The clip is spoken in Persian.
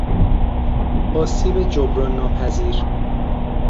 آسیب جبران ناپذیر